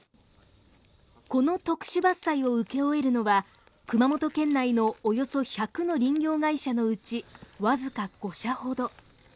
この特殊伐採を請け負えるのは熊本県内のおよそ１００の林業会社のうちわずか５社ほど。